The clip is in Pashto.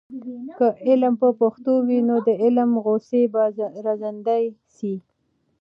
که علم په پښتو وي، نو د علم غوڅۍ به زندې سي.